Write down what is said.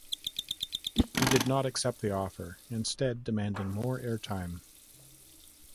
He did not accept the offer, instead demanding more airtime.